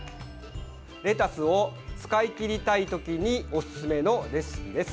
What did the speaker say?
レタスを使いきりたい時にオススメのレシピです。